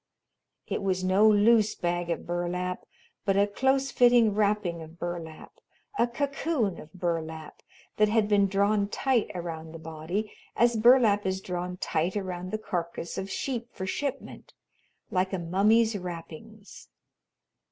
It was no loose bag of burlap but a close fitting wrapping of burlap; a cocoon of burlap that had been drawn tight around the body, as burlap is drawn tight around the carcass of sheep for shipment, like a mummy's wrappings.